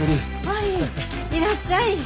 アイいらっしゃい。